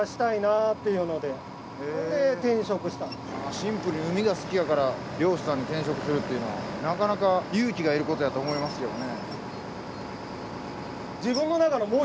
シンプルに海が好きやから漁師さんに転職するっていうのはなかなか勇気がいることやと思いますよね。